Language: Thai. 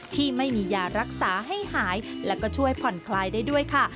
ที่ไม่มียารักษาให้หายและก็ช่วยผ่อนคลายได้ด้วยค่ะ